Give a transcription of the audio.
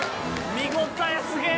見応えすげぇ！